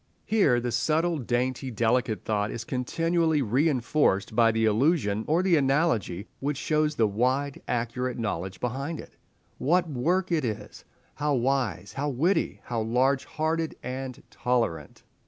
Here the subtle, dainty, delicate thought is continually reinforced by the allusion or the analogy which shows the wide, accurate knowledge behind it. What work it is! how wise, how witty, how large hearted and tolerant!